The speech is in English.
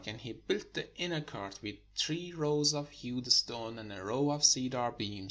And he built the inner court with three rows of hewed stone, and a row of cedar beams.